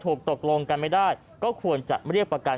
ตกลงกันไม่ได้ก็ควรจะเรียกประกัน